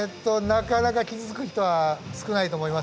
なかなか気付く人は少ないと思いますね。